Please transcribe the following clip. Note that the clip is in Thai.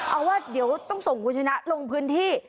เอาว่าเดี๋ยวต้องส่งคุณชนะลงพื้นที่